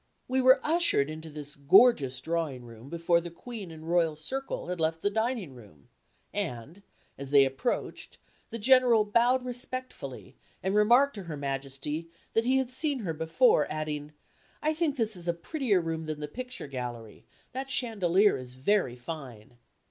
We were ushered into this gorgeous drawing room before the Queen and royal circle had left the dining room, and, as they approached, the General bowed respectfully, and remarked to Her Majesty "that he had seen her before," adding, "I think this is a prettier room than the picture gallery; that chandelier is very fine."